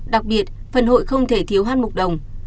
đặc biệt phần hội không thể thiếu han mục đồng